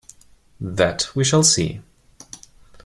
That we shall see.